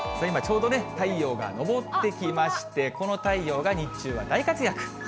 今、ちょうどね、太陽が昇ってきまして、この太陽が日中は大活躍。